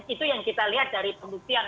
itu yang kita lihat dari pembuktian